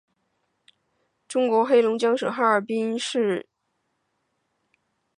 舍利街道是中国黑龙江省哈尔滨市阿城区下辖的一个街道。